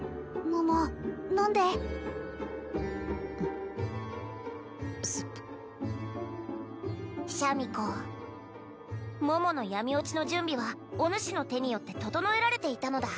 桃飲んですシャミ子桃の闇堕ちの準備はおぬしの手によって整えられていたのだ